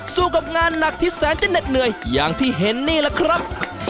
กับงานหนักที่แสนจะเหน็ดเหนื่อยอย่างที่เห็นนี่แหละครับ